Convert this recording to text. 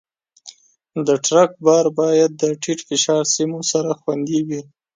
د ټرک بار باید د ټیټ فشار سیمو سره خوندي وي.